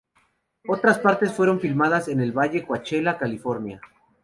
Otras partes fueron filmadas en el Valle Coachella, California.